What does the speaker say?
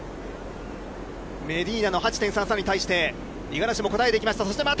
メディーナの８．３３に対して五十嵐も応えていきました。